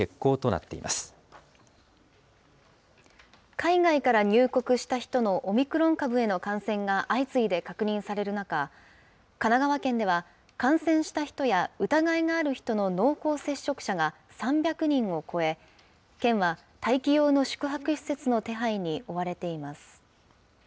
海外から入国した人のオミクロン株への感染が相次いで確認される中、神奈川県では、感染した人や疑いがある人の濃厚接触者が３００人を超え、県は待機用の宿泊施設の手配に追われています。